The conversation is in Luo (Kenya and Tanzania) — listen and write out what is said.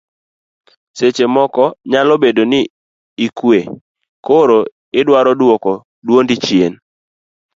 seche moko nyalo bedo ni ikwe koro idwaro duoko duondi chien